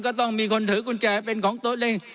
ก็ต้องมีคนถือกุญแจเป็นของตัวเอง